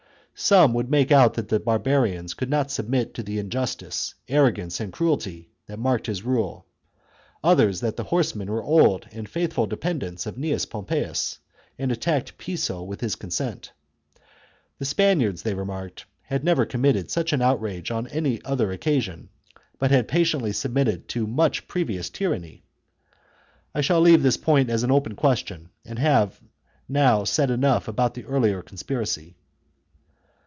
Some would make out that the barbarians could not submit to the injustice, arrogance, and cruelty, that marked his rule ; others, that the horsemen were old and faithful dependents of Gnaeus Pompeius, and attacked Piso with his consent. The Spaniards, they remarked, had never committed such an outrage on other oc casions, but had patiently submitted to much previous tyranny. I shall leave this point as an open question, and have now said enough about the earlier conspiracy.